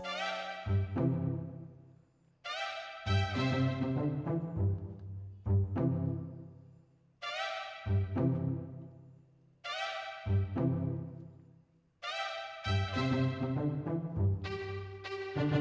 salah saya apa itu